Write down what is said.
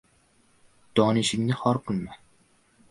— Donishingni xor qilma.